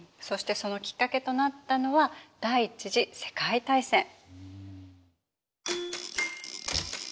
そしてそのきっかけとなったのは第一次世界大戦。